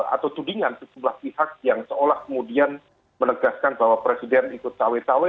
atau tudingan sebuah pihak yang seolah kemudian menegaskan bahwa presiden ikut tawet tawet